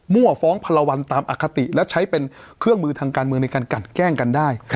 ฟ้องพลวันตามอคติและใช้เป็นเครื่องมือทางการเมืองในการกัดแกล้งกันได้